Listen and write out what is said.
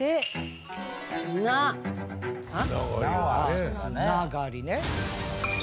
まあ「つながり」ね。